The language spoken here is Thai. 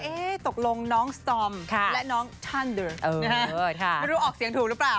เอ๊ะตกลงน้องค่ะและน้องค่ะไม่รู้ออกเสียงถูกหรือเปล่า